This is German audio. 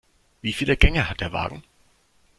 Wieviele Gänge hat der Wagen?